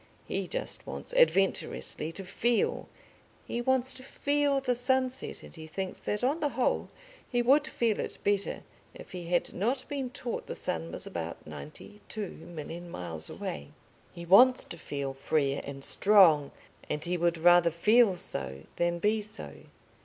He just wants adventurously to feel. He wants to feel the sunset, and he thinks that on the whole he would feel it better if he had not been taught the sun was about ninety two million miles away. He wants to feel free and strong, and he would rather feel so than be so.